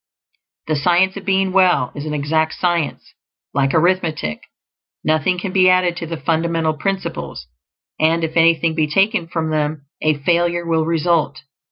The Science of Being Well is an exact science, like arithmetic; nothing can be added to the fundamental principles, and if anything be taken from them, a failure will result.